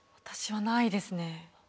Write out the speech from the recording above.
私はないですね。